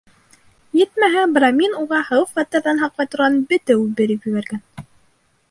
Етмәһә, брамин уға хәүеф-хәтәрҙән һаҡлай торған бетеү биреп ебәргән.